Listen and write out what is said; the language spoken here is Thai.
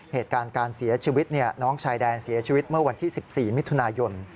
เหตุการณ์การเสียชีวิตน้องชายแดนเสียชีวิตเมื่อวันที่๑๔มิถุนายน